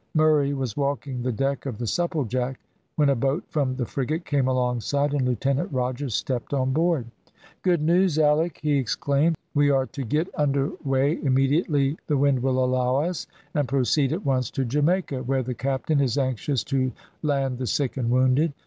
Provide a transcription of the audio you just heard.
Murray was walking the deck of the Supplejack, when a boat from the frigate came alongside, and Lieutenant Rogers stepped on board. "Good news, Alick!" he exclaimed. "We are to get under weigh immediately the wind will allow us, and proceed at once to Jamaica, where the captain is anxious to land the sick and wounded.